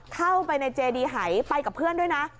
เข้าไปในเจดีหายไปกับเพื่อนด้วยนะ